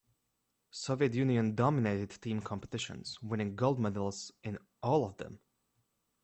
Soviet Union dominated team competitions, winning gold medals in all of them.